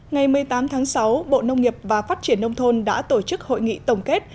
ngày một mươi tám tháng sáu bộ nông nghiệp và phát triển nông thôn đã tổ chức hội nghị tổng kết